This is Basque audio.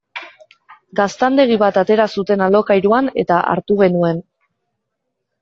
Gaztandegi bat atera zuten alokairuan eta hartu genuen.